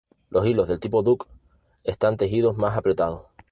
Los hilos del tipo duck están tejidos más apretados.